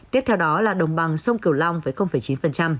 tiếp theo đó là đồng bằng sông cửu long với chín